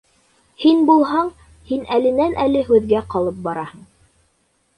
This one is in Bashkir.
Һин булһаң, һин әленән-әле һүҙгә ҡалып бараһың.